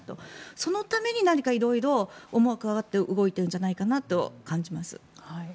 そのため、何か色々思惑があって動いているんじゃないかと感じます。